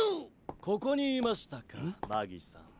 ここにいましたかマギさん。